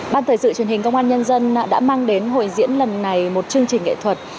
ban thời sự truyền hình công an nhân dân đã mang đến hội diễn lần này một chương trình nghệ thuật